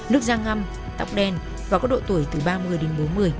nước da ngâm tóc đen và có độ tuổi từ ba mươi đến bốn mươi